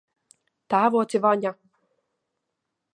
Tēvoci Vaņa!